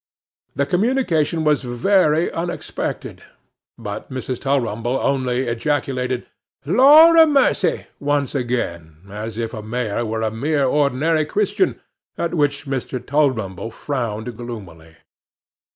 The communication was very unexpected; but Mrs. Tulrumble only ejaculated 'Lor a mussy!' once again, as if a Mayor were a mere ordinary Christian, at which Mr. Tulrumble frowned gloomily.